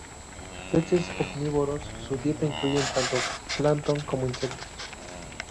Peces omnívoros, su dieta incluye tanto plancton como insectos.